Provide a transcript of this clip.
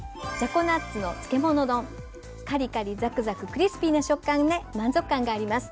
カリカリザクザククリスピーな食感で満足感があります。